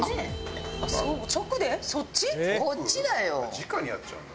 直にやっちゃうの？